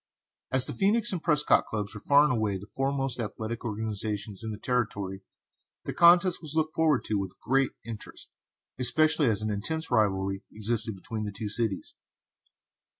As the Phœnix and Prescott clubs were far and away the foremost athletic organizations in the Territory, the contest was looked forward to with a great interest, especially as an intense rivalry existed between the two cities.